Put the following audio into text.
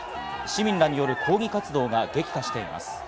市民らによる抗議活動が激化しています。